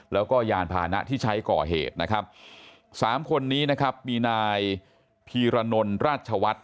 แล้วก็ยานพานะที่ใช้ก่อเหตุนะครับสามคนนี้นะครับมีนายพีรนลราชวัฒน์